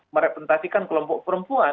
merepresentasikan kelompok perempuan